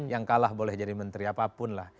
yang kalah boleh jadi menteri apapun lah